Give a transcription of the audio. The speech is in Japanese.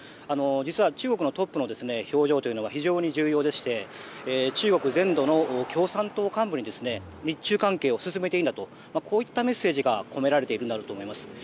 実は中国のトップの表情は非常に重要で中国全土の共産党幹部に日中関係を進めていいんだとこういうメッセージが込められているんだろうと思います。